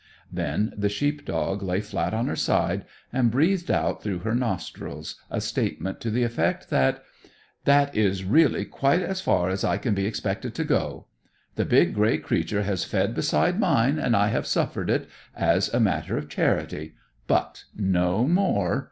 Then the sheep dog lay flat on her side, and breathed out through her nostrils a statement to the effect that: "That is really quite as far as I can be expected to go. This big grey creature has fed beside mine, and I have suffered it, as a matter of charity; but no more.